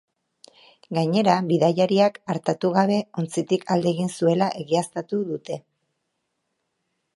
Gainera, bidaiariak artatu gabe ontzitik alde egin zuela egiaztatu dute.